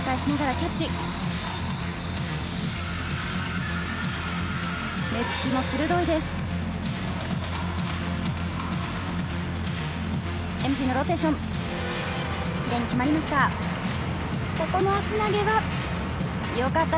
キレイに決まりました。